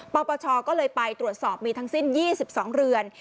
ปปชก็เลยไปตรวจสอบมีทั้งสิ้น๒๒เรือน